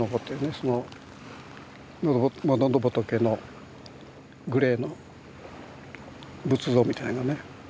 その喉仏のグレーの仏像みたいなね。